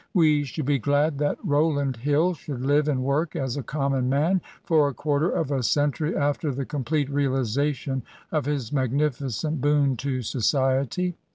We should be glad that Bowland Hill should live and work as a common man for a quarter of a century after the complete reali sation of his magnificent boon to society.